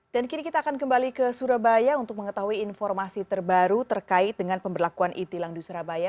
dan kini kita akan kembali ke surabaya untuk mengetahui informasi terbaru terkait dengan pemberlakuan itilang di surabaya